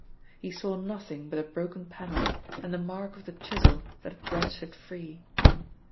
He saw nothing but a broken panel and the mark of the chisel that had wrenched it free.